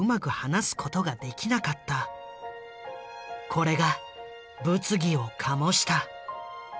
これが物議を醸した。